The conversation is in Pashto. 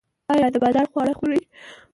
ایا د بازار خواړه خورئ؟